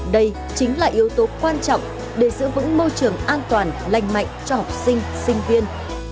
đây chính là yếu tố quan trọng để giữ vững môi trường an toàn lành mạnh cho học sinh sinh viên